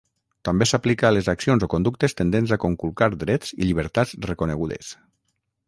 També s'aplica a les accions o conductes tendents a conculcar drets i llibertats reconegudes.